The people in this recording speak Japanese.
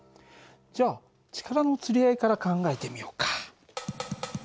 じゃあ力のつり合いから考えてみようか。